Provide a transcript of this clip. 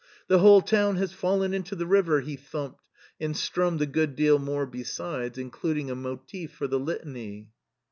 " The whole town has fallen into the river !" He thumped, and strummed a good deal more besides, in cluding a motif for the Litany.